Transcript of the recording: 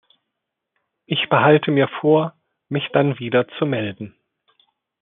Ich behalte mir vor, mich dann wieder zu melden.